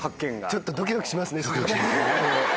ちょっとドキドキしますね。